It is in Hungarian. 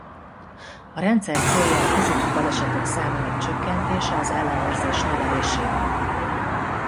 A rendszer célja a közúti balesetek számának csökkentése az ellenőrzés növelésével.